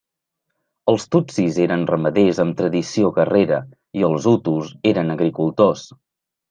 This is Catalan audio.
Els tutsis eren ramaders amb tradició guerrera i els hutus eren agricultors.